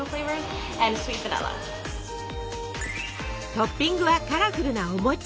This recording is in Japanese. トッピングはカラフルなお餅。